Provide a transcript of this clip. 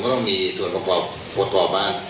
มันก็ต้องมีส่วนประกอบประกอบมา